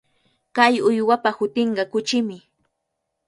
Kay uywapa hutinqa kuchimi.